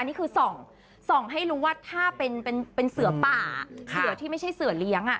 นี่คือส่องให้รู้ว่าถ้าเป็นเสือป่าเสือที่ไม่ใช่เสือเลี้ยง